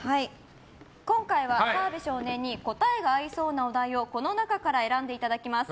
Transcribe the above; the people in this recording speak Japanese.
今回は澤部少年に答えが合いそうなお題をこの中から選んでいただきます。